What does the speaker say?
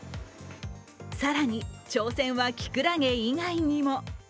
更に挑戦はきくらげ以外にも。